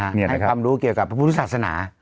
ให้ความรู้เกี่ยวกับภูมิศาสนา